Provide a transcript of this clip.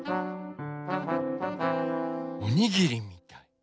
おにぎりみたい。